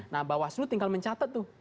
nah bawah selunya tinggal mencatat tuh